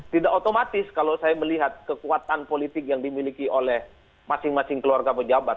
tidak otomatis kalau saya melihat kekuatan politik yang dimiliki oleh masing masing keluarga pejabat